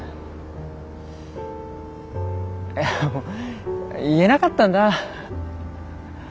いやいやもう言えなかったんだ。